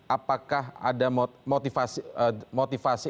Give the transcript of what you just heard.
apakah ada motivasi